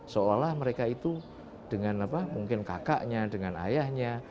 seolah mereka itu dengan mungkin kakaknya dengan ayahnya